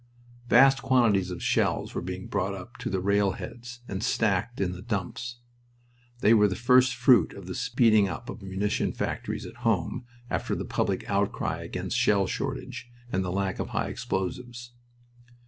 Vast quantities of shells were being brought up to the rail heads and stacked in the "dumps." They were the first fruit of the speeding up of munition factories at home after the public outcry against shell shortage and the lack of high explosives.